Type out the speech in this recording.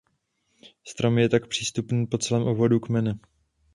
Strom je tak přístupný po celém obvodu kmene.